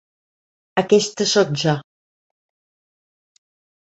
Aquesta sóc jo.